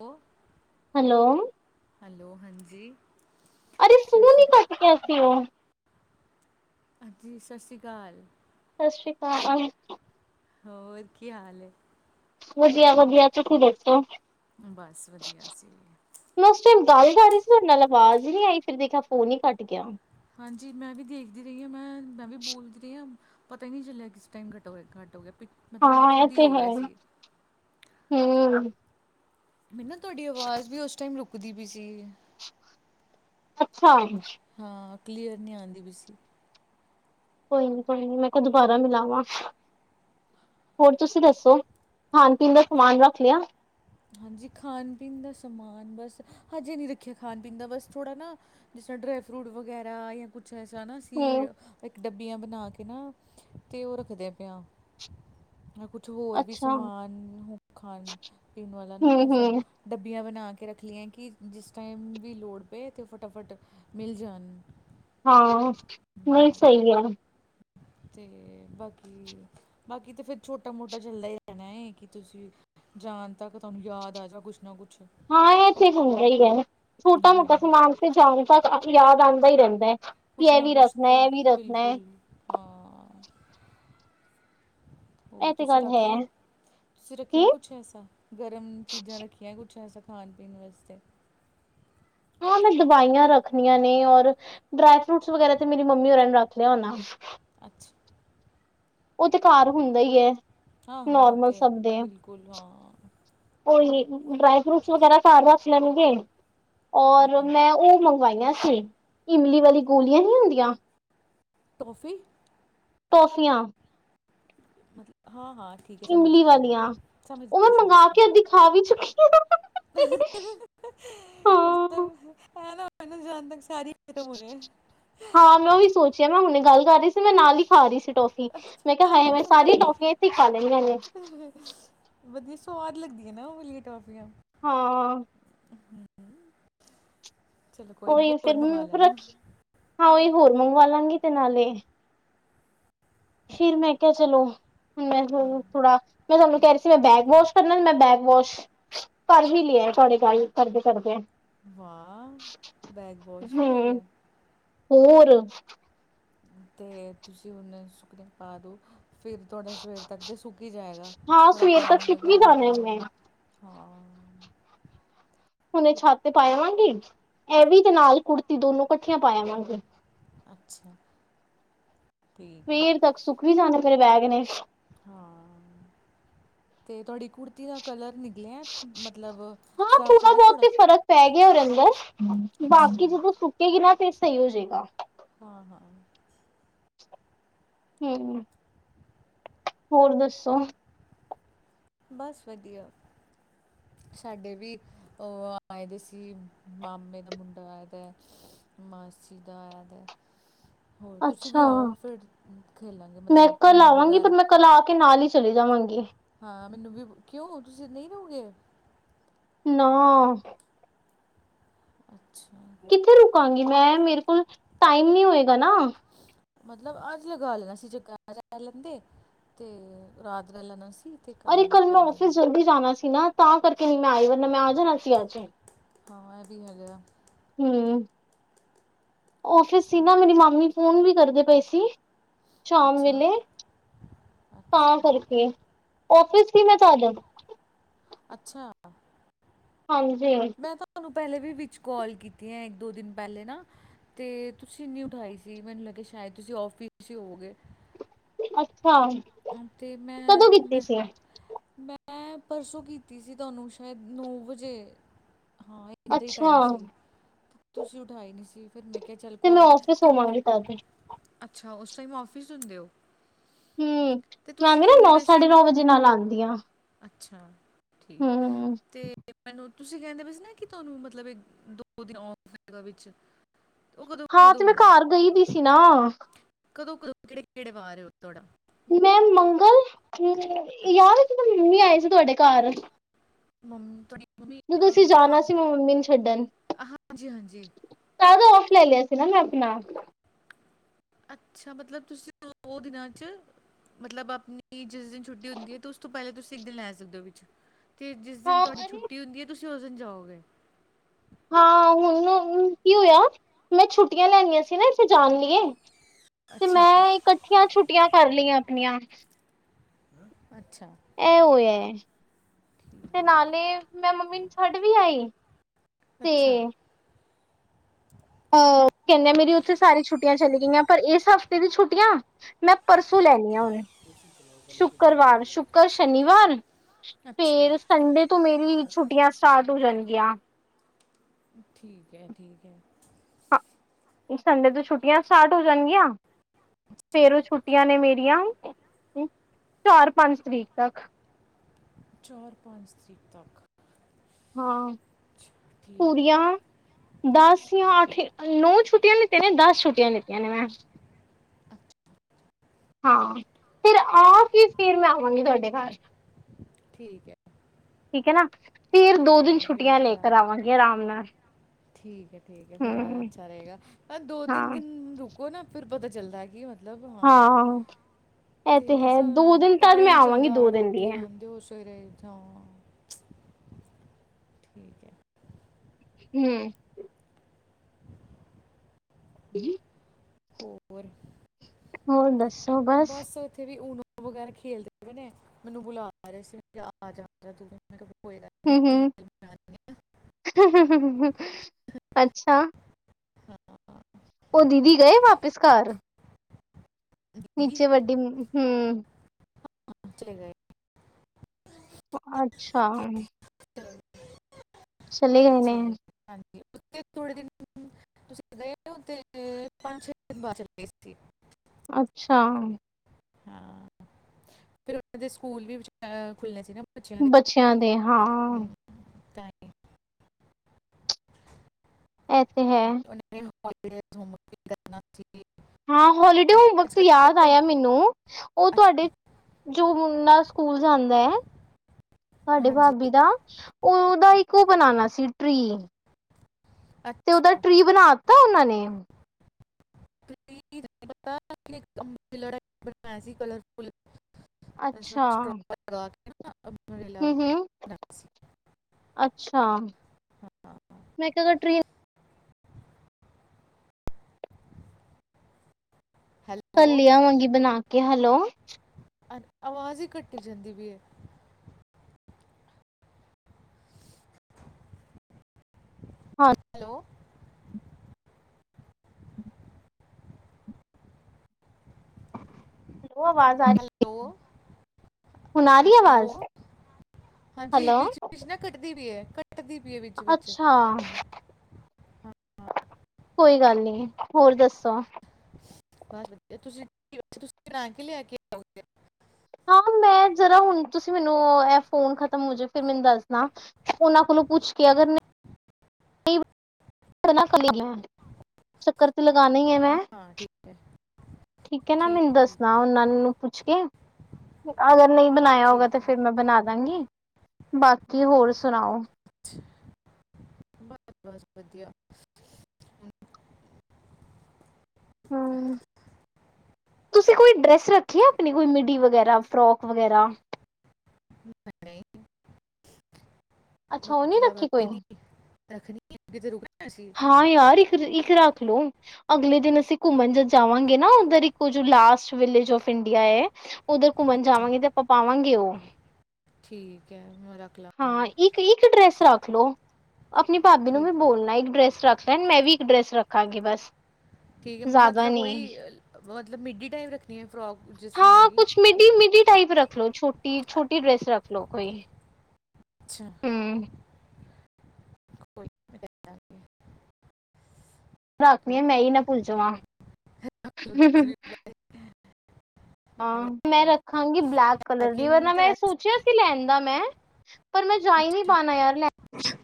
ਓ hello hello, ਹਾਂਜੀ ਅਰੇ ਸਤਿ ਫੋਨ ਈ ਸ਼੍ਰੀ ਅਕਾਲ ਕੱਟ ਗਿਆ ਸੀ, ਓ। ਜੀ, ਸਸਰੀ ਕਾਲ। ਸਸ਼ਰੀ ਕਾਲ। ਹੋਰ, ਕੀ ਹਾਲ ਏ? ਵਧੀਆ-ਵਧੀਆ, ਤੁਸੀਂ ਦੱਸੋ? ਬਸ ਵਧੀਆ, ਅਸੀਂ ਵੀ। ਮੈਂ ਉਸ ਟੈਮ ਗੱਲ ਕਰ ਰੀ ਸੀ ਤੁਆਡੇ ਨਾਲ, ਅਵਾਜ਼ ਈ ਨੀ ਆਈ, ਫਿਰ ਦੇਖਿਆ ਫੋਨ ਈ ਕੱਟ ਗਿਆ। ਹਾਂਜੀ ਮੈਂ ਵੀ ਦੇਖਦੀ ਰਹੀ ਆਂ, ਮੈਂ ਮੈਂ ਵੀ ਬੋਲਦੀ ਰਹੀ ਆ ਪਤਾ ਈ ਨਹੀਂ ਚੱਲਿਆ ਕਿਸ ਟਾਈਮ ਘਟ ਹੋਗਿਆ, ਕੱਟ ਹੋਗਿਆ ਮਤਲਬ ਹਾਂ ਖੁਦ ਹੀ ਹੋਗਿਆ ਸੀ। ਹੋਰ। ਮੀਨ ਨਾ, ਤੁਹਾਡੀ ਅਵਾਜ਼ ਵੀ ਉਸ ਟਾਈਮ ਰੁਕਦੀ ਪਈ ਸੀ। ਅੱਛਾ। ਹਾਂ, ਕਲੀਅਰ ਨਹੀਂ ਆਂਦੀ ਪਈ ਸੀ। ਕੋਈ ਨੀ, ਕੋਈ ਨੀ, ਮੈਂ ਕਿਹਾ ਦੁਬਾਰਾ ਮਿਲਾਵਾਂ। ਹੋਰ ਤੁਸੀਂ ਦੱਸੋ, ਖਾਣ-ਪੀਣ ਦਾ ਸਮਾਨ ਰੱਖ ਲਿਆ? ਹਾਂਜੀ, ਖਾਣ-ਪੀਣ ਦਾ ਸਮਾਨ ਬਸ, ਹਜੇ ਨਹੀਂ ਰੱਖਿਆ ਖਾਣ-ਪੀਣ ਦਾ ਬਸ ਥੋੜ੍ਹਾ ਨਾ ਜਿਸਰਾ ਡਰਾਈ ਫਰੂਟ ਵਗੈਰਾ, ਯਾ ਕੁਛ ਅੱਛਾ-ਅੱਛਾ ਨਾ ਸੀ ਹੂੰ ਇੱਕ ਡੱਬੀਆਂ ਬਣਾਕੇ ਨਾ, ਤੇ ਉਹ ਰੱਖਦੇ ਪੇ ਆਂ। ਕੁਛ ਹੋਰ ਵੀ ਅੱਛਾ ਸਮਾਨ, ਖਾਣ-ਪੀਣ ਵਾਲਾ ਨਾ ਹੂੰ ਐਸਾ ਹੂੰ ਡੱਬੀਆਂ ਬਣਾਕੇ ਰੱਖ ਲੀਆਂ, ਕਿ ਜਿਸ ਟਾਈਮ ਵੀ ਲੋੜ ਪਏ ਅਤੇ ਫਟਾਫਟ ਮਿਲ ਜਾਨ। ਹਾਂ, ਨਹੀਂ ਸਹੀ ਐ। ਤੇ, ਬਾਕੀ ਬਾਕੀ ਤਾਂ ਫਿਰ ਛੋਟਾ-ਮੋਟਾ ਚੱਲਦਾ ਈ ਰਹਿਣਾ ਏ, ਕੀ ਤੁਸੀਂ ਜਾਣ ਤੱਕ ਤੁਹਾਨੂੰ ਯਾਦ ਆ ਜਾ, ਕੁਝ ਨਾ ਕੁਛ। ਹਾਂ ਇਹ ਤੇ ਹੁੰਦਾ ਈ ਐ, ਛੋਟਾ-ਮ੍ਹੋਟਾ ਹਾਂ ਸਮਾਨ ਤੇ ਜਾਣ ਤਕ, ਯਾਦ ਆਂਦਾ ਈ ਰਹਿੰਦੈ। ਕੁਛ ਨਾ ਕੁਛ ਤੇ, ਬਿਲਕੁਲ, ਹਾਂ। ਉਹ ਇਹ ਤੇ ਤੁਸੀਂ ਗੱਲ ਰੱਖ ਹੈ ਲਿਆ, ਤੁਸੀਂ ਕੀ ਰੱਖਿਆ ਕੁਛ ਐਸਾ, ਗਰਮ ਚੀਜ਼ਾਂ ਰੱਖੀਆਂ ਕੁਛ ਐਸਾ? ਖਾਣ-ਪੀਣ ਵਾਸਤੇ। ਹਾਂ, ਮੈਂ ਦਵਾਈਆਂ ਰੱਖਣੀਆਂ ਨੇ ਔਰ ਡਰਾਈ ਫਰੂਟਸ ਵਗੈਰਾ ਤੇ ਮੇਰੀ ਮੰਮੀ ਹੋਰਾਂ ਨੇ ਰੱਖ ਲਿਆ ਹੋਨਾ। ਅੱਛਾ। ਉਹ ਤੇ ਘਰ ਹੁੰਦਾ ਈ ਐ ਨੋਰਮਲ ਸਭ ਦੇ। ਫੂਲ ਹਾਂ। ਓਈ ਡ੍ਰਾਈ ਫਰੂਟਸ ਵਗੈਰਾ ਘਰ ਰੱਖ ਲੈਣਗੇ। ਔਰ ਹਾਂਜੀ ਮੈਂ ਉਹ ਮੰਗਵਾਈਆਂ ਸੀ, ਇਮਲੀ ਵਾਲੀ ਗੋਲੀਆਂ ਨੀ ਹੁੰਦੀਆਂ। [inaudible] ਟੋਫੀ। ਟੌਫੀਆਂ। ਮਤਲਬ ਹਾਂ, ਹਾਂ ਠੀਕ ਐ ਸਮਝ ਇਮਲੀ ਗਈ ਹਾਂ ਮੈਂ ਵਾਲੀਆਂ ਵੀ ਸਮਝ ਉਹ ਮੈਂ ਗਈ ਸਮਝ ਮੰਗਵਾ ਗਈ। ਕੇ ਅੱਧੀ ਖਾ ਵੀ ਚੁੱਕੀ। ਹਾਂ ਮਤਲਬ ਹੈ ਨਾ ਮੈਨੂੰ ਜਾਣ ਤੱਕ ਸਾਰੀ ਖਤਮ ਹੋਰੀ ਐ, ਹਾਂ ਮੈਂ ਔਹੀ ਸੋਚਿਆ ਮੈਂ ਹੁਣੇ ਗੱਲ ਕਰ ਰਹੀ ਸੀ, ਮੈਂ ਨਾਲ ਈ ਖਾ ਰਹੀ ਸੀ ਟੋਫੀ। ਮੈਂ ਕਿਹਾ ਹਾਏ ਮੈਂ ਸਾਰੀਆਂ ਟੋਫੀਆਂ ਇਥੇ ਖਾ ਲਈਆ ਨੇ। ਵਧੀਆ ਸਵਾਦ ਲੱਗਦੀਆ ਨੇ ਉਹ ਵਾਲੀਆਂ ਟੋਫੀਆਂ। ਹਾਂ। [inaudible] ਕੋਈ ਨੀ ਓਹੀ ਹੋਰ ਮੰਗਵਾ ਫੇਰ ਲੈਣਾ ਰੱਖੀ ਹਾਂ ਉਹੀ ਹੋਰ ਮੰਗਵਾ ਲਾਂ ਗੇ ਇਹਦੇ ਨਾਲ ਫਿਰ ਮੈਂ ਕਿਆ ਚਲੋ ਮੈਂ ਹਾਂ ਥੋੜਾ ਮੈਂ ਤੁਹਾਨੂੰ ਕਹਿ ਰਹੀ ਸੀ ਮੈਂ ਬੈਗ ਵਾਸ਼ ਕਰਨਾ ਮੈਂ ਬੈਗ ਵਾਸ਼ ਕਰ ਵੀ ਲਿਆ ਤੁਹਾਡੇ ਗੱਲ ਕਰਦੇ ਕਰਦੇ ਆ। ਵਾਹ ਬੈਗ ਵਾਸ਼ ਵੀ ਹੋ ਹਮ ਗਿਆ। ਹੋਰ। ਤੇ ਤੁਸੀਂ ਹੁਣ ਸੁਖਨੇ ਪਾ ਦਿਉ। ਫਿਰ ਤੁਹਾਡਾ ਸਵੇਰ ਤੱਕ ਤਾਂ ਸੁੱਕ ਈ ਜਾਏਗਾ ਹਾਂ ਥੋੜ੍ਹਾ ਸਵੇਰ ਤੱਕ ਪਾਣੀ ਛਿਪ ਵੀ ਵਗੈਰਾ ਜਾਣਾ ਨਿਕਲ ਜਾਏਗਾ। ਮੈਂ ਹਾਂ। ਹੁਣੇ ਛਾਤੇ ਪਾਇਆ ਆਵਾ ਗੀ ਐਵੀ ਦੇ ਨਾਲ ਕੁੜਤੀ ਦੋਨੋ ਇਕੱਠੀਆਂ ਪਾਇਆ ਆਵਾ ਗੀ। ਅੱਛਾ। ਠੀਕ ਹੈ ਸਵੇਰ ਤੱਕ ਸੁਖ ਵੀ ਜਾਣਾ ਤੇਰੇ ਮੇਰੇ ਬੈਗ ਨੇ। ਹਾਂ ਤੇ ਤੁਹਾਡੀ ਕੁੜਤੀ ਦਾ ਕਲਰ ਨਿਕਲਿਆ ਮਤਲਬ ਹਾਂ ਸਾਫ਼ ਥੋੜਾ ਹੋਇਆ ਬਹੁਤ ਥੋੜ੍ਹਾ ਹੀ ਫ਼ਰਕ ਪੈ ਗਿਆ ਰੰਗ ਦਾ, ਅੰਦਰ ਅੱਛਾ ਬਾਕੀ ਜਦੋਂ। [unintelligible] ਫਿਰ ਸਹੀ ਹੋਜੇਗਾ। ਹਾਂ-ਹਾਂ, ਹੋਰ ਦੱਸੋ? ਬਸ ਵਧੀਆ ਸਾਡੇ ਵੀ ਉਹ ਆਏ ਦੇ ਸੀ ਮਾਮੇ ਦੇ ਮੁੰਡੇ ਆਏ ਦੇ ਆ ਤੇ ਮਾਸੀ ਦਾ ਆਗਿਆ, ਹੋਰ ਤੁਸੀਂ ਵੀ ਅੱਛਾ ਆਓ ਫਿਰ ਖੇਲਾਂਗੇ ਮਤਲਬ ਊਨੋ ਵਗੈਰਾ ਚੱਲ ਆ ਤੇ ਨਾਲ ਈ ਚਲੀ ਜਾਵਾਂਗੀ। ਹਾਂ ਮੈਨੂੰ ਵੀ ਕਿਉਂ ਤੁਸੀਂ ਨਹੀਂ ਰਉਗੇ ਨਾ ਅੱਛਾ ਕਿੱਥੇ ਰੁਕਾਂਗੀ ਮੈਂ ਮੇਰੇ ਕੋਲ ਟਾਈਮ ਨੀ ਹੋਏਗਾ ਨਾ। ਮਤਲਬ ਅੱਜ ਲਗਾ ਲੈਣਾ ਸੀ [unintelligible] ਲੈ ਲੈਂਦੇ। ਤੇ ਰਾਤ ਰੇ ਲੈਨਾ ਸੀ। ਤੇ ਅਰੇ ਕੱਲ ਮੈਂ ਚੱਲ ਓਫਿਸ ਜਾਣਾ ਜਲਦੀ ਜਾਨਾ ਸੀ ਨਾ ਤਾਂ ਕਰਕੇ ਨੀ ਮੈਂ ਆਈ ਵਰਨਾ ਮੈਂ ਆ ਜਾਨਾ ਸੀ ਅਜ। ਹਾਂ ਐ ਵੀ ਹੈਗਾ। ਹੂੰ ਓਫਿਸ ਸੀ ਚਲੋ ਨਾ ਮੇਰੀ ਮਾਮੀ ਫੋਨ ਵੀ ਕਰਦੇ ਪਏ ਸੀ। ਸ਼ਾਮ ਅੱਛਾ, ਵੇਲੇ ਅੱਛ ਤਾਂ ਕਰਕੇ ਆਫਿਸ ਕਿ ਮੈਂ [unintelligible] ਅੱਛਾ। ਹਾਂਜੀ। ਮੈਂ ਤੁਹਾਨੂੰ ਪੈਲੇ ਵੀ ਵਿੱਚ ਕਾਲ ਕੀਤੀਐ ਇੱਕ ਦੋ ਦਿਨ ਪੈਲੇ ਨਾ। ਤੇ ਤੁਸੀਂ ਨੀ ਉਠਾਈ ਸੀ ਮੈਨੂੰ ਲੱਗਿਆ ਸ਼ਾਇਦ ਤੁਸੀਂ ਆਫਿਸ ਹੀ ਹੋਓਗੇ। ਅੱਛਾ ਓਕੇ ਕਦੋਂ ਕੀਤੀ ਮੈਂਂ-ਮੈਂ ਸੀ ਮੈਂ ਪਰਸੋਂ ਕੀਤੀ ਸੀ ਤੁਹਾਨੂੰ ਸ਼ਾਇਦ ਨੌਂ ਵਜੇ। ਹਾਂ ਇੰਨੇ ਦਾ ਹੀ ਅੱਛਾ ਟਾਈਮ ਸੀ। ਤੁਸੀਂ ਉਠਾਈ ਨੀ ਸੀ ਫੇਰ ਮੈਂ ਕਿਹਾ ਚੱਲ ਤੇ ਕੋਈ ਮੈਂ ਗੱਲ ਨੀ ਆਫਿਸ ਥੱਕ ਹੋਵਾਂਗੀ ਤਦ ਅੱਛਾ ਉਸ ਟਾਈਮ ਆਫਿਸ ਹੁੰਦੇ ਹੋ। ਹਮ ਤੇ ਮੈਂ ਤੁਸੀਂ ਵੀ ਨਾ ਕੇਂਦੇ ਨੌ ਪੈ ਸੀ ਸਾਢੇ ਨਾ ਨੌ ਵਜੇ ਨਾਲ ਆਉਂਦੀ ਹਾਂ ਅੱਛਾ ਠੀਕ ਹੈ ਹਮ ਤੇ ਮੈਨੂੰ ਤੁਸੀਂ ਕੇਂਦੇ ਪਏ ਸੀ ਨਾ ਕਿ ਤੁਹਾਨੂੰ ਮਤਲਬ ਦੋ ਦਿਨ ਔਫ ਹੈਗਾ ਵਿੱਚ। ਉਹ ਕਦੋਂ ਹਾਂ ਕਦੋਂ ਤੇ ਮੈਂ ਕਾਰ ਗਈ ਦੀ ਸੀ ਨਾ। ਕਦੋਂ-ਕਦੋਂ ਕ ਕੇੜੇ-ਕੇੜੇ ਵਾਰ ਏ [unintelligible] ਤੁਹਾਡਾ। ਮੈਂ ਮੰਗਲ ਯਾਦ ਏ ਮੰਮੀ ਆਏ ਸੀ ਤੁਹਾਡੇ ਕਾਰ। ਮੰਮ ਤੁਹਾਡੀ ਮੰਮੀ ਜਦੋਂ ਅਸੀਂ ਅਹ, ਜਾਨਾ ਹਾਂ ਸੀ ਮੈਂ ਮੰਮੀ ਨੂੰ ਛੱਡਨ। ਅਹ, ਹਾਂਜੀ ਹਾਂਜੀ ਤਾਂ ਦਾ ਓਫ ਲਲ ਲਿਆ ਸੀ ਨਾ ਮੈਂ ਆਪਨਾ। ਅੱਛਾ ਮਤਲਬ ਤੁਸੀਂ ਓ ਦਿਨਾਂ ਚ ਮਤਲਬ ਆਪਣੀ ਜਿਸ ਦਿਨ ਛੁੱਟੀ ਹੁੰਦੀ ਏ ਤੇ ਉਸ ਤੋਂ ਪਹਿਲੇ ਤੁਸੀਂ ਇੱਕ ਦਿਨ ਲੈ ਸਕਦੇ ਹੋ ਵਿੱਚ। ਤੇ ਜਿਸ ਦਿਨ ਹਾਂ ਤੁਹਾਡੀ ਅਰੇ ਛੁੱਟੀ ਹੁੰਦੀ ਏ ਤੁਸੀਂ ਉਸ ਦਿਨ ਜਾਓਗੇ। ਹਾਂ ਹੁਨ ਕੀ ਹੋਇਆ ਮੈਂ ਛੁੱਟੀਆਂ ਲੈਣੀਆਂ ਸੀ ਨਾ ਇੱਥੇ ਜਾਨ ਲਈਏ। ਤੇ ਅੱਛਾ ਮੈਂ ਇਕੱਠੀਆਂ ਛੁੱਟੀਆਂ ਕਰ ਲਈਆਂ ਆਪਣੀਆਂ। ਅੱਛਾ। ਐ ਹੋਆ ਐ। ਤੇ ਨਾਲੇ ਮੈਂ ਮੰਮੀ ਨੂੰ ਛੱਡ ਵੀ ਆਈ ਤੇ ਅੱਛਾ ਅਹ ਕਹਿੰਦੇ ਮੇਰੀ ਉੱਥੇ ਸਾਰੀ ਛੁੱਟੀਆਂ ਚਲੀ ਗਈ ਮੈਂ ਪਰ ਏਸ ਹਫ਼ਤੇ ਦੀ ਛੁੱਟੀਆਂ ਮੈਂ ਪਰਸੋਂ ਲੈਣੀਆ ਹੁਨ। [inaudible] ਸ਼ੁੱਕਰਵਾਰ, ਸ਼ੁੱਕਰ, ਸ਼ਨੀਵਾਰ ਅੱਛਾ ਫੇਰ ਸੰਡੇ ਤੋਂ ਮੇਰੀ ਛੁੱਟੀਆਂ ਸਟਾਰਟ ਹੋ ਜਾਣਗੀਆਂ‌। ਠੀਕ ਐ, ਠੀਕ ਐ। ਸੰਡੇ ਤੋਂ ਛੁੱਟੀਆਂ ਸਟਾਰਟ ਹੋ ਜਾਣਗੀਆਂ। ਫੇਰ ਉਹ ਛੁੱਟੀਆਂ ਨੇ ਮੇਰੀਆਂ ਚਾਰ-ਪੰਜ ਤਰੀਕ ਤੱਕ। ਚਾਰ-ਪੰਜ ਤਰੀਕ ਤੱਕ। ਹਾਂ ਅੱਛਾ, ਠੀਕ ਹੈ ਪੂਰੀਆ ਦਸ ਯਾ ਅੱਠ, ਨੌ ਛੁੱਟੀਆਂ ਲਿੱਤੀਆਂ ਨੇ ਦਸ ਛੁੱਟੀਆਂ ਲਿਤੀਆਂ ਨੇ ਮੈਂ। ਅੱਛਾ, ਹਾਂ ਫੇਰ ਆ ਕੇ ਫੇਰ ਮੈਂ ਆਵਾਂਗੀ ਤੁਹਾਡੇ ਘਰ। ਠੀਕ ਐ। ਠੀਕ ਏ ਨਾ। ਫੇਰ ਦੋ ਕੋਈ ਦਿਨ ਨਹੀਂ ਛੁੱਟੀਆਂ ਵੇਟ ਲੇਕਰ ਆਵਾਂਗੇ ਅਰਾਮ ਨਾਲ। ਠੀਕ ਏ। ਠੀਕ ਏ, ਫੇਰ ਆਯਾ ਹੂੰ ਅੱਛਾ ਰੇਗਾ ਪਰ ਦੋ ਤਿੰਨ ਹਾਂ। ਦਿਨ ਰੁਕ ਓ ਨਾ ਫਿਰ ਪਤਾ ਚੱਲਦਾ ਐ ਕੀ ਹੁਨ ਹਾਂ। ਇਹ ਤੇ ਹੈ ਐਸਾ ਦੋ ਦਿਨ ਪਤਾ ਤਦ ਈ ਮੈਂ ਨੀ ਆਵਾਂਗੀ ਚੱਲਦਾ ਦੋ ਦਿਨ ਰਾਤੀ ਦੀ ਹੈ ਆਂਦੇ ਓ ਸਵੇਰੇ ਜਾਂਵਾਂ। [unintelligible] ਹੂਂ। [unintelligible] ‌। ਹੋਰ। ਹੋਰ ਦੱਸੋ ਬ ਬਸ ਏਥੇ ਵੀ ਊਨੋ ਵਗੈਰਾ ਖੇਲਦੇ ਪੇਨੇ। ਮੈਨੂੰ ਬੁਲਾ ਰੇ ਸੀ ਆ ਜਾ ਨਹੀਂ ਹੂੰ ਤੁਸੀਂ ਹੂੰ। ਖੇਲ ਮੈਂ ਆਉਂਦੀ ਅੱਛਾ। ਹਾਂ ਹਾਂ ਓ ਦੀਦੀ ਗਏ ਵਾਪਿਸ ਘਰ ਦੀਦੀ ਨੀਚੇ ਵੱਡੀ ਹੂੰ। ਕਿਥੇ ਗਏ? ਓ ਅੱਛਾ। [unintelligible] ਚਲੇ ਗਏ ਨੇੇ। ਚਲੋ ਹਾਂਜੀ। ਉਤੇ ਥੋੜੇ ਦਿਨ। ਤੁਸੀ ਗਏ ਓ ਤੇ ਪੰਜ ਛੇ ਦਿਨ ਬਾਦ ਚਲੇ ਗਏ ਸੀ। ਅੱਛਾ। ਅਛਾ। ਫੇਰ ਓਨਾਂ ਦੇ ਸਕੂਲ ਵੀ ਖੁੱਲਣੇ ਸੀ ਨਾ। ਬੱਚਿਆਂ ਦੇ ਬੱਚੇਆਂ ਦੇ, ਹਾਂ। ਹਮ, ਤਾਂ ਹੀ ਐ ਤੇ ਹੈ। ਹੋਲੀਡੇਜ਼ ਹੋਮ ਵਰਕ ਵੀ ਕਰਨਾ ਸੀ। ਹਾਂ। ਹੋਲੀਡੇ ਅਰੇ ਹੋਮ ਵਕਤ ਅੱਜ ਤੋਂ ਕੱਲ੍ਹ ਯਾਦ ਤੇ ਆਏਆ ਮੈਨੂੰ ਓ ਤੁਆਡੇ ਜੋ ਮੁੰਡਾ ਸਕੂਲ ਜਾਂਦਾ ਐ ਅੱਛਾ ਤਾਡੀ ਹਾਂਜੀ ਭਾਬੀ ਦਾ। ਔਰ‌ ਓਦਾ ਜੀ, ਇੱਕ ਓ ਬਨਾਨਾ ਸੀ ਟ੍ਰੀ। ਤੇ ਓਦਾ ਅੱਛਾ ਟ੍ਰੀ ਬਨਾ ਤਾ ਓਨਾਂ ਨੇ? ਟ੍ਰੀ ਬਨਾਏਆ ਸੀ ਕਲਰ। ਅੱਛਾ [unintelligible] ਅੱਛਾ‌। ਹਾਂ ਮੈਂ ਕੇਆ ਓਦਾ ਟ੍ਰੀ ਹੈਲੋ। ਕੱਲ ਲੇ ਆਂਵਾਂਗੀ ਬਨਾ ਕੇ। ਹੈਲੋ। ਅ ਆਵਾਜ਼ ਈ ਕਟੀ ਜਾਂਦੀ ਪੀ ਏ। ਹਾਂ- ਹੈਲੋ। ਓ ਵਾਜ਼ ਹੈਲੋ ਹੁਨ ਆ ਰੀਏ ਹੈਲੋ ਵਾਜ਼। ਹਾਂਜੀ ਹੈਲੋ। ਵਿੱਚ ਵਿੱਚ ਨਾ ਕੱਟਦੀ ਪੀ ਏ। ਕੱਟਦੀ ਪੀ ਏ ਵਿੱਚ ਵਿੱਚ। ਹਾਂ। ਹਾਂ ਹਾਂ, ਕੋਈ ਗੱਲ ਨੀ, ਹੋਰ ਦੱਸੋ। ਬਸ ਵਧੀਆ। ਤੁਸੀ ਬਨਾਕੇ ਲੈ ਕੇ ਆਓਗੇ। ਹਾਂ ਮੈਂ ਜਰਾ ਹੁਣ ਤੁਸੀਂ ਮੈਨੂੰ ਐ ਫੋਨ ਖ਼ਤਮ ਹੋ ਜੇ ਫਿਰ ਮੈਨੂੰ ਦੱਸਣਾ ਉਨਾਂ ਕੋਲੋਂ ਪੁੱਛ ਕੇ ਅਗਰ ਨੀ [inaudible] ਸੱਕਰ 'ਤੇ ਲਗਾਨੀ ਐ ਮੈਂ। ਹਾਂ ਠੀਕ ਹੈ ਠੀਕ ਏ ਨਾ ਮੈਨੂੰ ਹੈ ਦੱਸ ਠੀਕ- ਨਾ ਉਨਾਂ ਨੂੰ ਪੁੱਛ ਕੇ। ਅਗਰ ਨਈ ਬਣਾਇਆ ਹੋਗਾ 'ਤੇ ਠੀਕ ਹੈ ਫਿਰ ਮੈਂ ਬਣਾਦਾਂਗੀ, ਬਾਕੀ ਹੋਰ ਸੁਣਾਓ? ਬਸ-ਬਸ ਵਧੀਆ। ਹੂੰ। ਤੁਸੀਂ ਕੋਈ ਡਰੈਸ ਰੱਖੀ ਆ ਆਪਣੀ ਕੋਈ ਮਿਡੀ ਵਗੈਰਾ, ਫਰੋਕ ਵਗੈਰਾ? ਨਈ। ਅੱਛਾ ਉਹ ਨੀ ਮਤਲਬ ਰੱਖੀ ਕੋਈ ਰੱਖਨੀ, ਰੱਖਣੀ ਆ ਅੱਗੇ ਜਰੂ ਹਾਂ ਯਾਰ ਇੱਕ, ਇੱਕ ਰੱਖ ਲੋ। ਅਗਲੇ ਦਿਨ ਅਸੀਂ ਘੁੰਮਣ ਜ ਜਾਵਾਂਗੇ ਨਾ ਉਧਰ ਇੱਕ ਜੋ ਲਾਸਟ ਵਿਲੇਜ ਔਫ ਇੰਡੀਆ ਏ ਉੱਧਰ ਘੁੰਮਣ ਜਾਵਾਂਗੇ 'ਤੇ ਆਪਾਂ ਪਾਵਾਂਗੇ ਓ। ਠੀਕ ਐ ਮੈਂ ਰੱਖ ਲਾ ਹਾਂ ਇੱਕ-ਇੱਕ ਡਰੈਸ ਰੱਖ ਲੋ, ਆਪਣੀ ਭਾਬੀ ਨੂੰ ਵੀ ਠੀਕ ਬੋਲਣਾ ਡਰੈਸ ਰੱਖ ਲੈਣ ਮੈਂ ਵੀ ਇੱਕ ਡਰੈਸ ਰੱਖਾਂਗੀ ਬਸ। ਠੀਕ ਐ ਜ਼ਿਆਦਾ ਮਤਲਬ ਉਈ ਨਹੀਂ ਮਤਲਬ ਮਿਡੀ ਟਾਈਪ ਰੱਖਣੀ ਐ ਫਰੋਕ ਜਿਸ ਤਰਾਂ ਹੋਗੀ। ਟੀ ਮਿੱਡੀ ਟਾਈਪ ਰੱਖ ਲੋ ਛੋਟੀ, ਛੋਟੀ ਡ੍ਰੈਸ ਰੱਖ ਲੋ‌ ਕੋਈ। ਅੱਛਾ। ਹੂੰ। [inaudible] ਰਾਖਨੀ ਆ ਮੈਂ ਈ ਨਾ ਭੁੱਲ ਜਾਵਾਂ। ਰੱਖ ਵੀ [inaudible] ਵੀ ਹਾਂ ਰੱਖ ਮੈਂ ਲਾਂਗੇ ਰੱਖਾਂਗੀ ਬਲੈਕ ਕਲਰ ਦੀ ਪੈਕਿੰਗ ਵਰਨਾ ਤੇ ਮੈਂ ਰੈਸ ਸੋਚਿਆ ਸੀ ਲੈਣ ਦਾ ਮੈਂ ਪਰ ਮੈਂ ਜਾਈ ਨੀ ਅੱਛਾ ਪਾਣਾ ਯਾਰ ਲੈ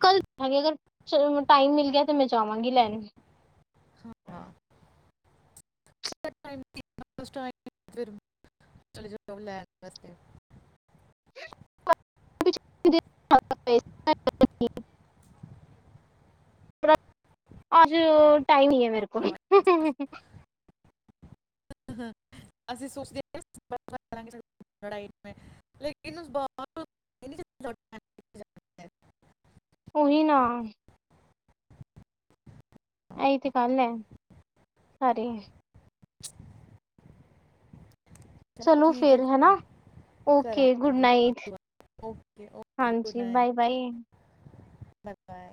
ਕੱਲ ਆਗ ਅਗਰ ਚਲ ਟਾਈਮ ਮਿਲ ਗਿਆ 'ਤੇ ਮੈਂ ਜਾਵਾਂਗੀ ਲੈਣ। ਹ ਹਾਂ। [inaudible] ਚਲੇ ਜਾਓ ਲੈਣ ਵਾਸਤੇ। [inaudible] ਅੱਜ ਓ ਟਾਈਮ ਨੀ ਏ ਮੇਰੇ ਕੋਲ। ਅਸੀਂ ਸੋਚਦੇ [inaudible] ਲੜਾਈ ਲੇਕਿਨ ਉਸ ਬਾਰ ਉਹੀ ਨਾ। ਐਈ 'ਤੇ ਗੱਲ ਐ, ਸਾਰੀ। ਚਲੋ ਠੀਕ ਏ ਫਿਰ। Okay good night [inaudible] okay okay good ਹਾਂਜੀ ਬਾਏ ਨਾਈਟ। Bye bye-bye.